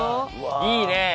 いいね。